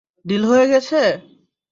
Deal হয়ে গেছে?